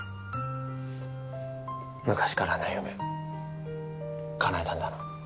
昔からの夢かなえたんだな